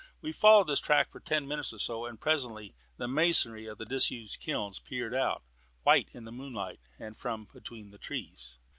We followed this track for ten minutes or so, and presently the masonry of the disused kilns peered out, white in the moonlight, from between the trees.